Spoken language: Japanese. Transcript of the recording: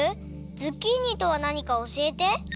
ズッキーニとはなにかおしえて！